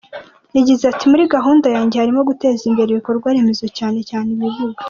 Yagize ati “Muri gahunda yanjye harimo guteza imbere ibikorwa remezo cyane cyane ibibuga.